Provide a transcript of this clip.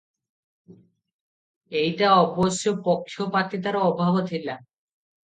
ଏଇଟା ଅବଶ୍ୟ ପକ୍ଷ ପାତିତାର ଅଭାବ ଥିଲା ।